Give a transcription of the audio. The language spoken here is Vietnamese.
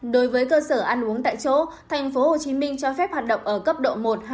đối với cơ sở ăn uống tại chỗ thành phố hồ chí minh cho phép hoạt động ở cấp độ một hai